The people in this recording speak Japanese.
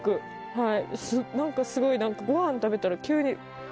はい。